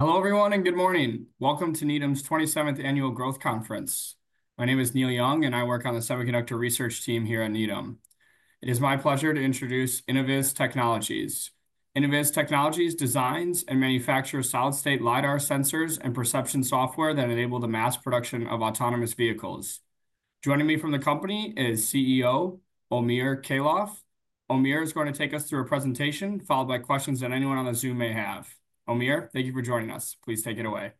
Hello everyone and good morning. Welcome to Needham & Company's 27th Annual Growth Conference. My name is Neil Young, and I work on the Semiconductor Research Team here at Needham & Company. It is my pleasure to introduce Innoviz Technologies. Innoviz Technologies designs and manufactures solid-state LiDAR sensors and perception software that enable the mass production of autonomous vehicles. Joining me from the company is CEO Omer Keilaf. Omer is going to take us through a presentation followed by questions that anyone on the Zoom may have. Omer, thank you for joining us. Please take it away.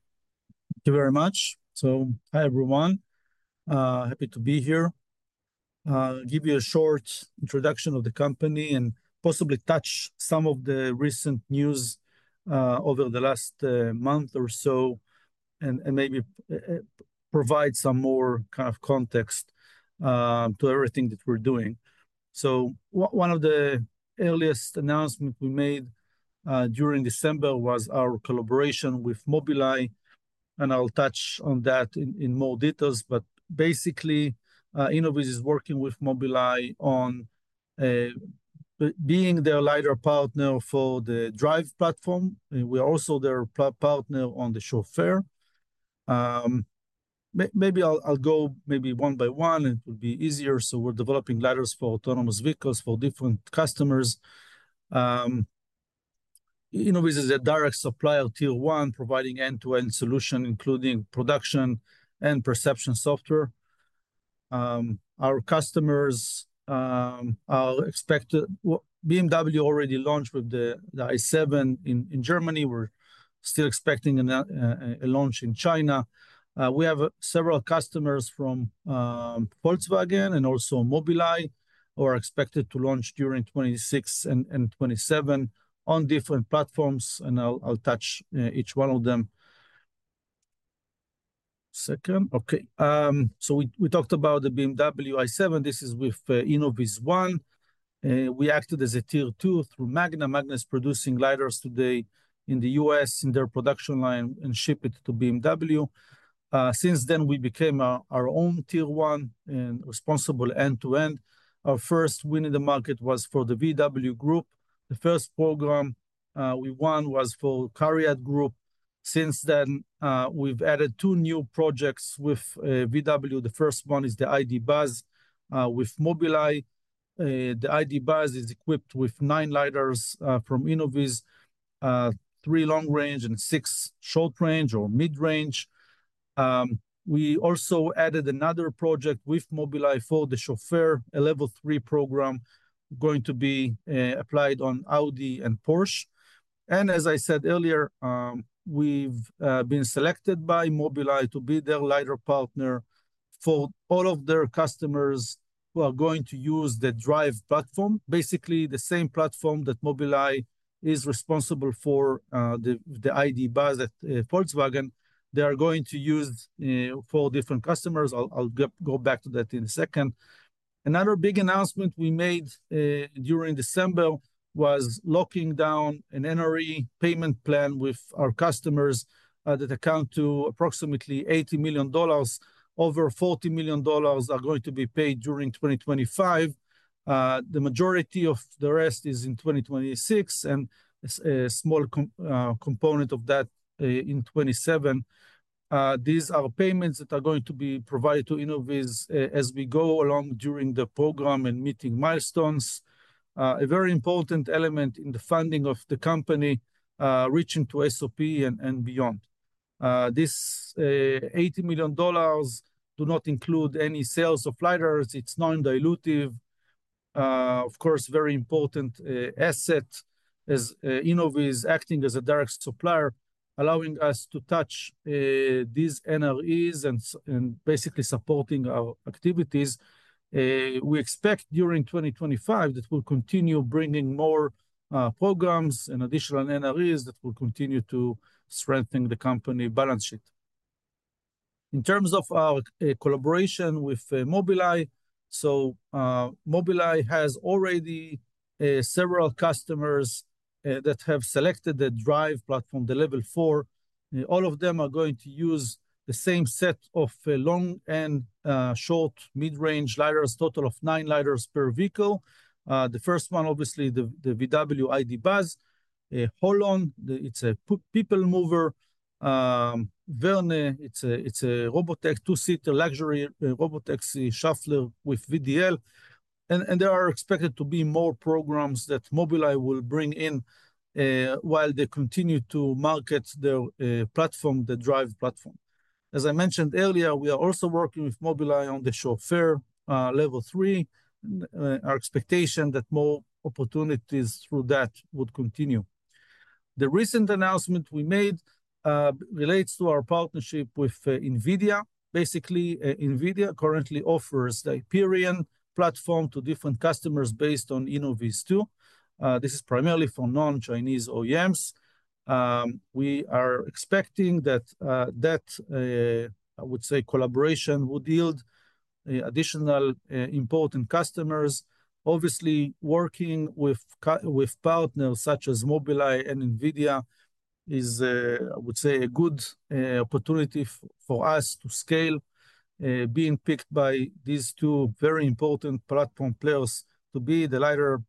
Thank you very much. So hi everyone. Happy to be here. Give you a short introduction of the company and possibly touch some of the recent news over the last month or so, and maybe provide some more kind of context to everything that we're doing. So one of the earliest announcements we made during December was our collaboration with Mobileye, and I'll touch on that in more details. But basically, Innoviz is working with Mobileye on being their LiDAR partner for the Drive platform. We are also their partner on the Chauffeur. Maybe I'll go maybe one by one, and it will be easier. So we're developing LiDARs for autonomous vehicles for different customers. Innoviz is a direct supplier, Tier 1, providing end-to-end solution, including production and perception software. Our customers are expected. BMW already launched with the i7 in Germany. We're still expecting a launch in China. We have several customers from Volkswagen and also Mobileye who are expected to launch during 2026 and 2027 on different platforms, and I'll touch each one of them. Second, okay, so we talked about the BMW i7. This is with InnovizOne. We acted as a Tier 2 through Magna. Magna is producing LiDARs today in the US in their production line and ship it to BMW. Since then, we became our own Tier 1 and responsible end-to-end. Our first win in the market was for the VW Group. The first program we won was for Cariad Group. Since then, we've added two new projects with VW. The first one is the ID. Buzz with Mobileye. The ID. Buzz is equipped with nine LiDARs from Innoviz, three long range and six short range or mid range. We also added another project with Mobileye for the Chauffeur, a Level 3 program going to be applied on Audi and Porsche. And as I said earlier, we've been selected by Mobileye to be their LiDAR partner for all of their customers who are going to use the Drive platform. Basically, the same platform that Mobileye is responsible for, the ID. Buzz at Volkswagen, they are going to use for different customers. I'll go back to that in a second. Another big announcement we made during December was locking down an NRE payment plan with our customers that amount to approximately $80 million. Over $40 million are going to be paid during 2025. The majority of the rest is in 2026 and a small component of that in 2027. These are payments that are going to be provided to Innoviz as we go along during the program and meeting milestones. A very important element in the funding of the company reaching to SOP and beyond. These $80 million do not include any sales of LiDARs. It's non-dilutive. Of course, very important asset as Innoviz acting as a direct supplier, allowing us to touch these NREs and basically supporting our activities. We expect during 2025 that we'll continue bringing more programs and additional NREs that will continue to strengthen the company balance sheet. In terms of our collaboration with Mobileye, so Mobileye has already several customers that have selected the Drive platform, the Level 4. All of them are going to use the same set of long and short mid range LiDARs, total of nine LiDARs per vehicle. The first one, obviously, the VW ID. Buzz. Holon, it's a people mover. Verne, it's a robotaxi two-seater luxury robotaxi shuttle with VDL. There are expected to be more programs that Mobileye will bring in while they continue to market their platform, the Drive platform. As I mentioned earlier, we are also working with Mobileye on the Chauffeur Level 3. Our expectation is that more opportunities through that would continue. The recent announcement we made relates to our partnership with NVIDIA. Basically, NVIDIA currently offers the Hyperion platform to different customers based on InnovizTwo. This is primarily for non-Chinese OEMs. We are expecting that that, I would say, collaboration would yield additional important customers. Obviously, working with partners such as Mobileye and NVIDIA is, I would say, a good opportunity for us to scale. Being picked by these two very important platform players to be the LiDAR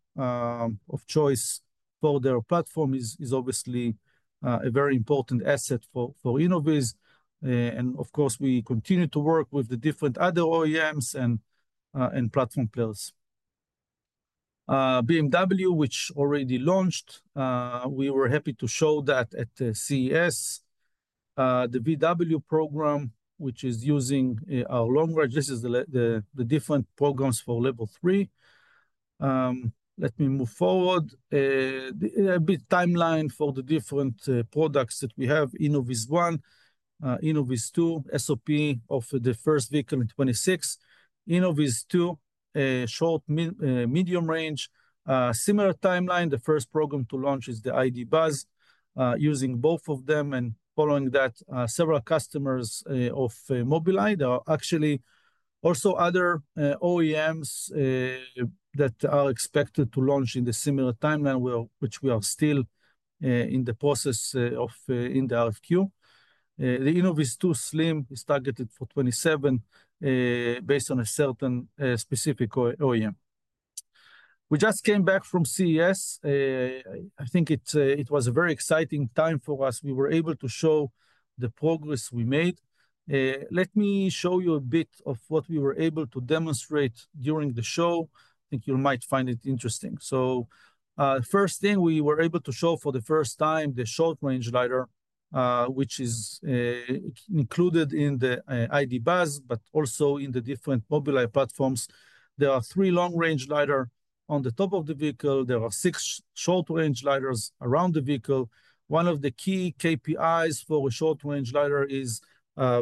of choice for their platform is obviously a very important asset for Innoviz. And of course, we continue to work with the different other OEMs and platform players. BMW, which already launched, we were happy to show that at the CES. The VW program, which is using our long range, this is the different programs for Level 3. Let me move forward. A bit timeline for the different products that we have: InnovizOne, InnovizTwo, SOP of the first vehicle in 2026, InnovizTwo, short medium range. Similar timeline, the first program to launch is the ID. Buzz. Using both of them and following that, several customers of Mobileye. There are actually also other OEMs that are expected to launch in the similar timeline, which we are still in the process of in the RFQ. The InnovizTwo Slim is targeted for 2027 based on a certain specific OEM. We just came back from CES. I think it was a very exciting time for us. We were able to show the progress we made. Let me show you a bit of what we were able to demonstrate during the show. I think you might find it interesting, so first thing, we were able to show for the first time the short range LiDAR, which is included in the ID. Buzz, but also in the different Mobileye platforms. There are three long range LiDARs on the top of the vehicle. There are six short range LiDARs around the vehicle. One of the key KPIs for a short range LiDAR is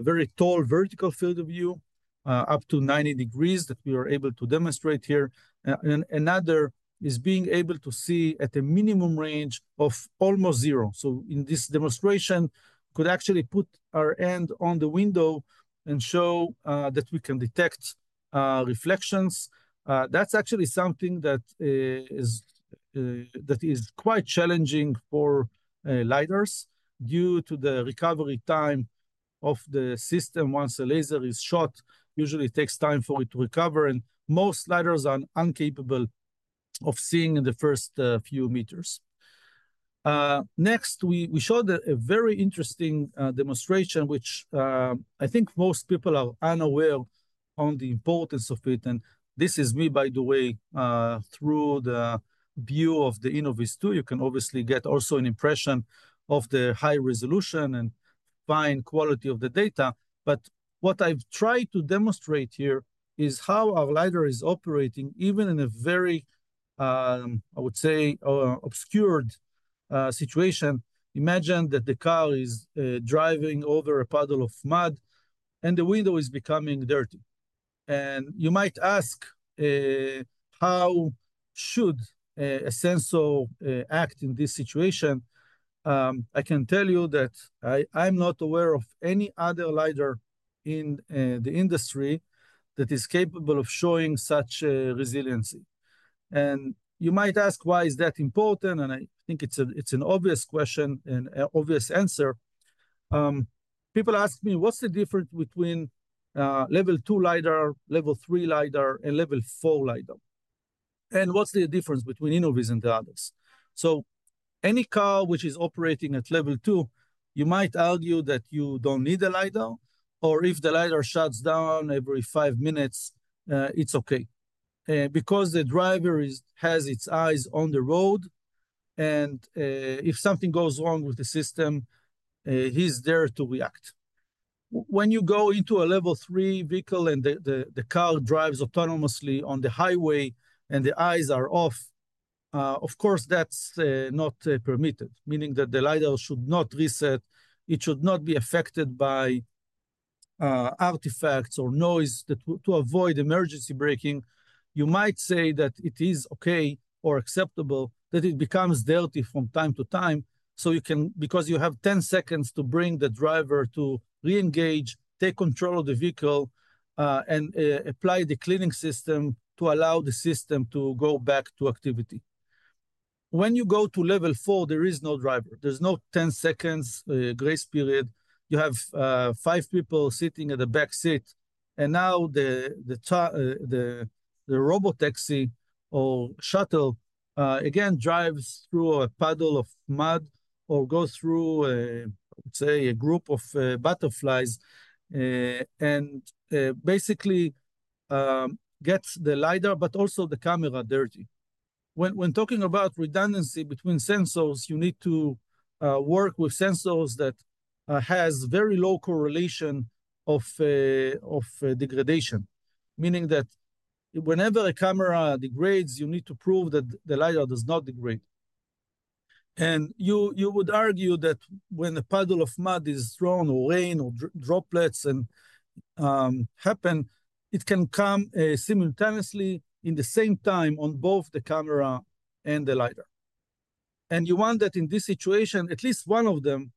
very tall vertical field of view, up to 90 degrees that we are able to demonstrate here, and another is being able to see at a minimum range of almost zero. In this demonstration, we could actually put our hand on the window and show that we can detect reflections. That's actually something that is quite challenging for LiDARs due to the recovery time of the system. Once a laser is shot, usually it takes time for it to recover. And most LiDARs are incapable of seeing in the first few meters. Next, we showed a very interesting demonstration, which I think most people are unaware of the importance of it. And this is me, by the way, through the view of the InnovizTwo. You can obviously get also an impression of the high resolution and fine quality of the data. But what I've tried to demonstrate here is how our LiDAR is operating even in a very, I would say, obscured situation. Imagine that the car is driving over a puddle of mud and the window is becoming dirty. And you might ask, how should a sensor act in this situation? I can tell you that I'm not aware of any other LiDAR in the industry that is capable of showing such resiliency. And you might ask, why is that important? And I think it's an obvious question and an obvious answer. People ask me, what's the difference between Level 2 LiDAR, Level 3 LiDAR, and Level 4 LiDAR? And what's the difference between Innoviz and the others? So any car which is operating at Level 2, you might argue that you don't need a LiDAR, or if the LiDAR shuts down every five minutes, it's okay. Because the driver has its eyes on the road, and if something goes wrong with the system, he's there to react. When you go into a Level 3 vehicle and the car drives autonomously on the highway and the eyes are off, of course, that's not permitted, meaning that the LiDAR should not reset. It should not be affected by artifacts or noise to avoid emergency braking. You might say that it is okay or acceptable that it becomes dirty from time to time. So you can, because you have 10 seconds to bring the driver to reengage, take control of the vehicle, and apply the cleaning system to allow the system to go back to activity. When you go to Level 4, there is no driver. There's no 10 seconds grace period. You have five people sitting at the back seat. Now the robotaxi or shuttle again drives through a puddle of mud or goes through, I would say, a group of butterflies and basically gets the LiDAR, but also the camera dirty. When talking about redundancy between sensors, you need to work with sensors that have very low correlation of degradation, meaning that whenever a camera degrades, you need to prove that the LiDAR does not degrade. You would argue that when a puddle of mud is thrown or rain or droplets happen, it can come simultaneously in the same time on both the camera and the LiDAR. You want that in this situation, at least one of them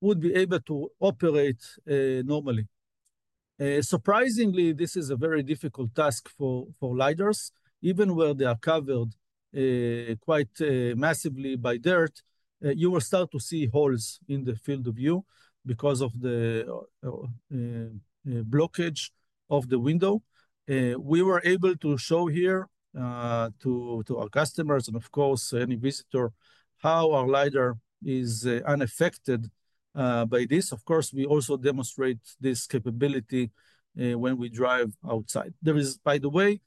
would be able to operate normally. Surprisingly, this is a very difficult task for LiDARs, even where they are covered quite massively by dirt. You will start to see holes in the field of view because of the blockage of the window. We were able to show here to our customers and, of course, any visitor how our LiDAR is unaffected by this. Of course, we also demonstrate this capability when we drive outside. By the way,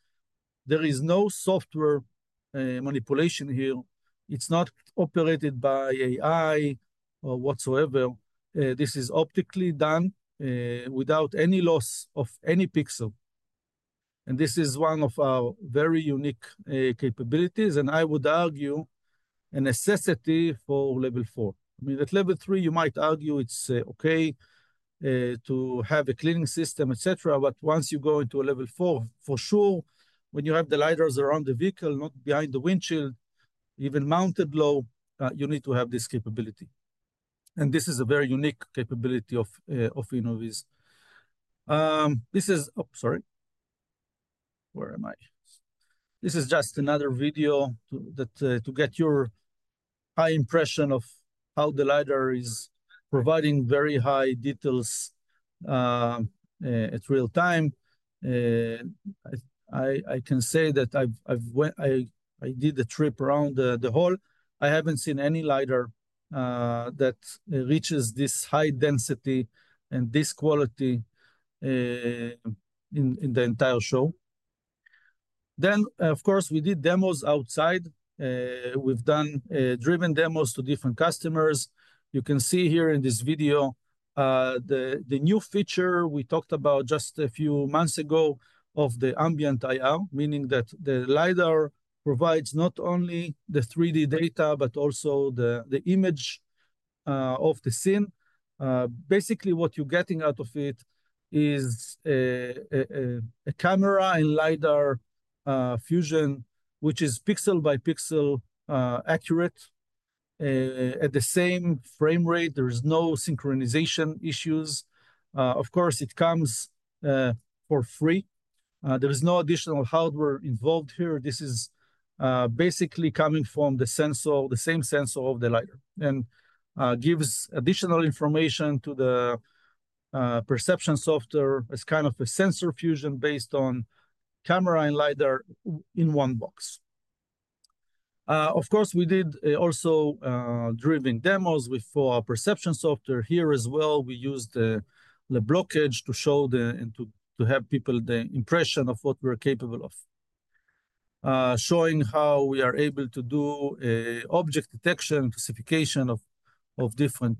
there is no software manipulation here. It's not operated by AI or whatsoever. This is optically done without any loss of any pixel, and this is one of our very unique capabilities and I would argue a necessity for Level 4. I mean, at Level 3, you might argue it's okay to have a cleaning system, et cetera, but once you go into a Level 4, for sure, when you have the LiDARs around the vehicle, not behind the windshield, even mounted low, you need to have this capability. This is a very unique capability of Innoviz. This is, oh, sorry. Where am I? This is just another video to give you a high impression of how the LiDAR is providing very high details in real time. I can say that I did the trip around the hall. I haven't seen any LiDAR that reaches this high density and this quality in the entire show. Of course, we did demos outside. We've done driven demos to different customers. You can see here in this video the new feature we talked about just a few months ago of the Ambient IR, meaning that the LiDAR provides not only the 3D data, but also the image of the scene. Basically, what you're getting out of it is a camera and LiDAR fusion, which is pixel by pixel accurate at the same frame rate. There is no synchronization issues. Of course, it comes for free. There is no additional hardware involved here. This is basically coming from the same sensor of the LiDAR and gives additional information to the perception software as kind of a sensor fusion based on camera and LiDAR in one box. Of course, we did also driven demos with our perception software here as well. We used the blockage to show and to have people the impression of what we're capable of, showing how we are able to do object detection and classification of different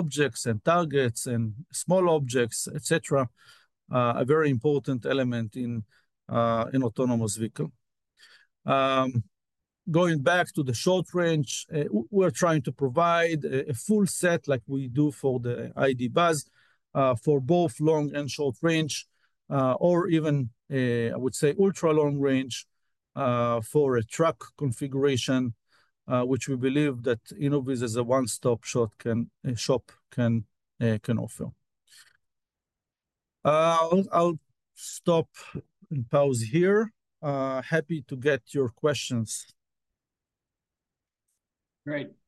objects and targets and small objects, et cetera, a very important element in an autonomous vehicle. Going back to the short range, we're trying to provide a full set like we do for the ID. Buzz for both long and short range, or even, I would say, ultra long range for a truck configuration, which we believe that Innoviz as a one-stop shop can offer. I'll stop and pause here. Happy to get your questions.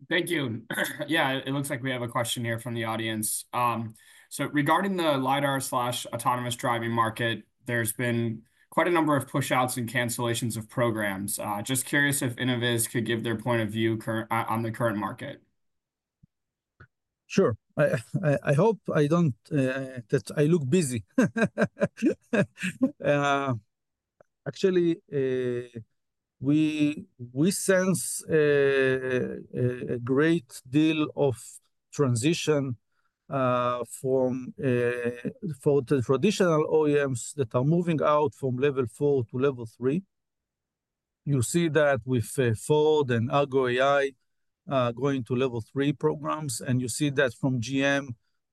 Thank you. Yeah, it looks like we have a question here from the audience. So regarding the LiDAR/autonomous driving market, there's been quite a number of push-outs and cancellations of programs. Just curious if Innoviz could give their point of view on the current market. Sure. I hope I don't look that busy. Actually, we sense a great deal of transition for the traditional OEMs that are moving out from Level 4 to Level 3. You see that with Ford and Argo AI going to Level 3 programs, and you see that from GM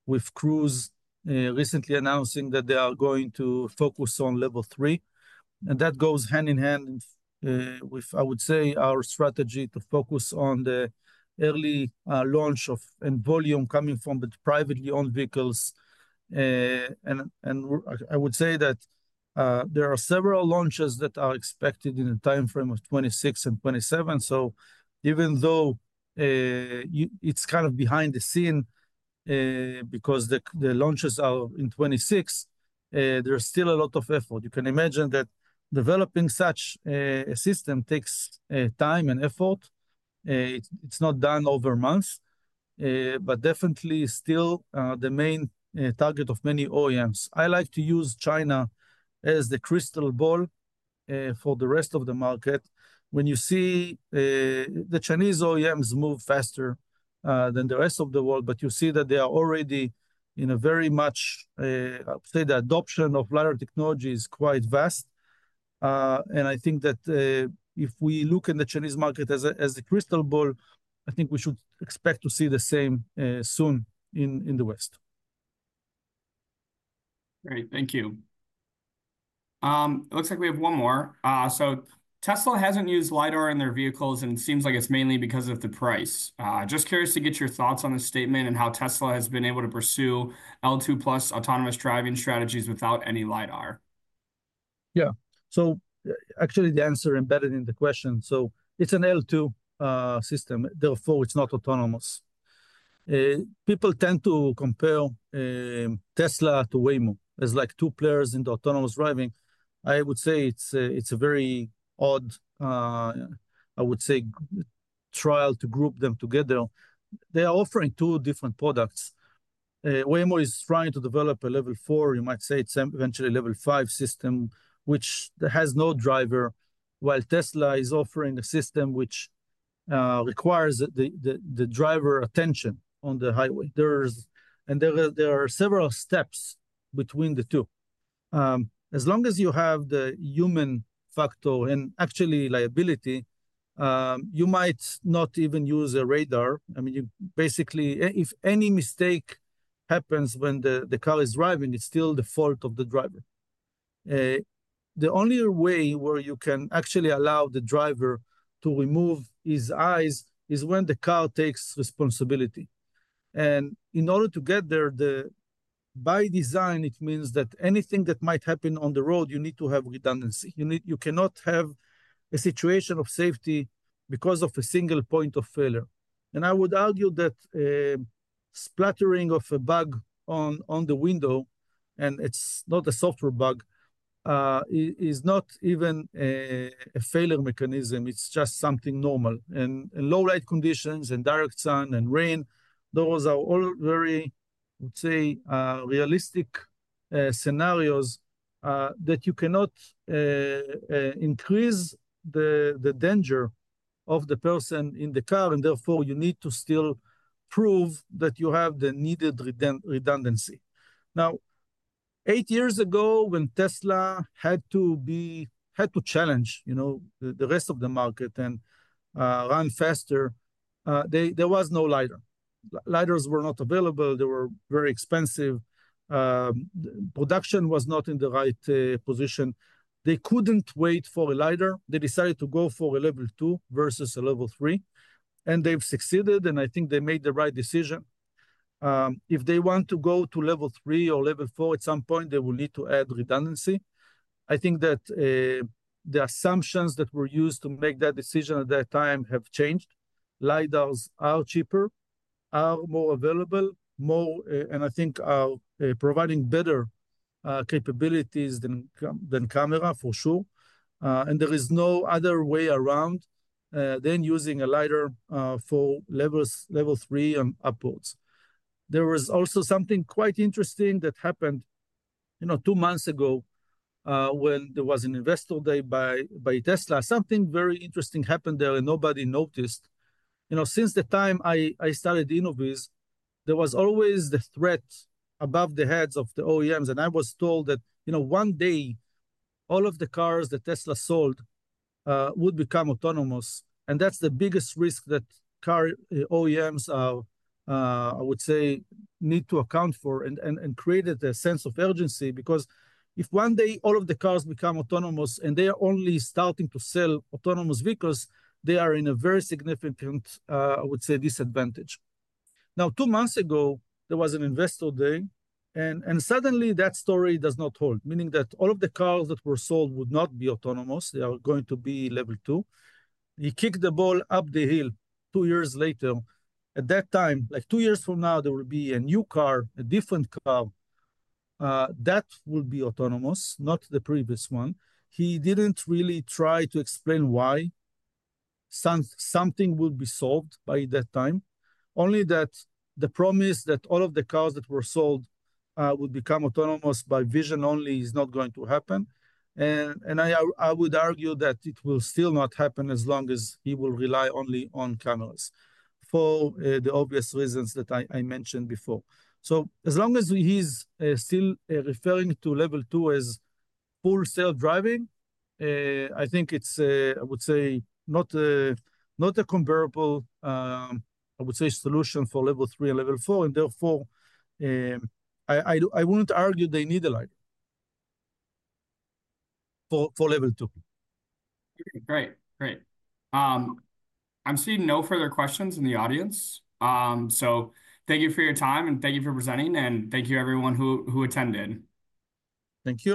with Cruise recently announcing that they are going to focus on Level 3. And that goes hand in hand with, I would say, our strategy to focus on the early launch of and volume coming from the privately owned vehicles. And I would say that there are several launches that are expected in the timeframe of 2026 and 2027. So even though it's kind of behind the scenes because the launches are in 2026, there's still a lot of effort. You can imagine that developing such a system takes time and effort. It's not done over months, but definitely still the main target of many OEMs. I like to use China as the crystal ball for the rest of the market. When you see the Chinese OEMs move faster than the rest of the world, but you see that they are already in a very much, I would say, the adoption of LiDAR technology is quite vast, and I think that if we look at the Chinese market as a crystal ball, I think we should expect to see the same soon in the West. Great. Thank you. It looks like we have one more, so Tesla hasn't used LiDAR in their vehicles, and it seems like it's mainly because of the price. Just curious to get your thoughts on the statement and how Tesla has been able to pursue L2 plus autonomous driving strategies without any LiDAR. Yeah, so actually, the answer embedded in the question, so it's an L2 system. Therefore, it's not autonomous. People tend to compare Tesla to Waymo as like two players in the autonomous driving. I would say it's a very odd, I would say, trial to group them together. They are offering two different products. Waymo is trying to develop a Level 4, you might say it's eventually Level 5 system, which has no driver, while Tesla is offering a system which requires the driver attention on the highway. And there are several steps between the two. As long as you have the human factor and actually liability, you might not even use a radar. I mean, basically, if any mistake happens when the car is driving, it's still the fault of the driver. The only way where you can actually allow the driver to remove his eyes is when the car takes responsibility. And in order to get there, by design, it means that anything that might happen on the road, you need to have redundancy. You cannot have a situation of safety because of a single point of failure. And I would argue that splattering of a bug on the window, and it's not a software bug, is not even a failure mechanism. It's just something normal. And low light conditions and direct sun and rain, those are all very, I would say, realistic scenarios that you cannot increase the danger of the person in the car, and therefore, you need to still prove that you have the needed redundancy. Now, eight years ago, when Tesla had to challenge the rest of the market and run faster, there was no LiDAR. LiDARs were not available. They were very expensive. Production was not in the right position. They couldn't wait for a LiDAR. They decided to go for a Level 2 versus a Level 3. And they've succeeded, and I think they made the right decision. If they want to go to Level 3 or Level 4, at some point, they will need to add redundancy. I think that the assumptions that were used to make that decision at that time have changed. LiDARs are cheaper, are more available, and I think are providing better capabilities than camera, for sure, and there is no other way around than using a LiDAR for Level 3 and upwards. There was also something quite interesting that happened two months ago when there was an investor day by Tesla. Something very interesting happened there and nobody noticed. Since the time I started Innoviz, there was always the threat above the heads of the OEMs, and I was told that one day, all of the cars that Tesla sold would become autonomous. That's the biggest risk that car OEMs, I would say, need to account for and created a sense of urgency because if one day all of the cars become autonomous and they are only starting to sell autonomous vehicles, they are in a very significant, I would say, disadvantage. Now, two months ago, there was an investor day, and suddenly that story does not hold, meaning that all of the cars that were sold would not be autonomous. They are going to be Level 2. He kicked the ball up the hill two years later. At that time, like two years from now, there will be a new car, a different car that will be autonomous, not the previous one. He didn't really try to explain why something would be solved by that time. Only that the promise that all of the cars that were sold would become autonomous by vision only is not going to happen. And I would argue that it will still not happen as long as he will rely only on cameras for the obvious reasons that I mentioned before. So as long as he's still referring to Level 2 as Full Self-Driving, I think it's, I would say, not a comparable, I would say, solution for Level 3 and Level 4. And therefore, I wouldn't argue they need a LiDAR for Level 2. Great. Great. I'm seeing no further questions in the audience. So thank you for your time and thank you for presenting, and thank you everyone who attended. Thank you.